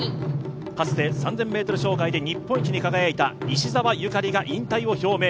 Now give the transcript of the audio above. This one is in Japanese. かつて３０００ｍ障害で日本一に輝いた選手が引退を表明。